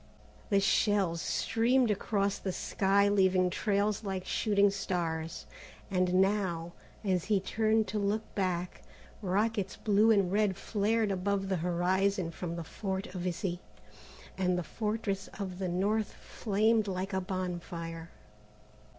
The shells streamed across the sky leaving trails like shooting stars, and now, as he turned to look back, rockets blue and red flared above the horizon from the Fort of Issy, and the Fortress of the North flamed like a bonfire.